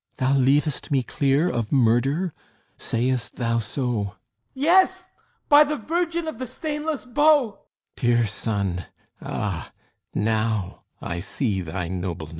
THESEUS Thou leav'st me clear of murder? Sayst thou so? HIPPOLYTUS Yea, by the Virgin of the Stainless Bow! THESEUS Dear Son! Ah, now I see thy nobleness!